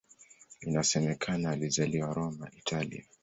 Inasemekana alizaliwa Roma, Italia.